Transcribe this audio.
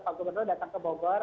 pak gubernur datang ke bogor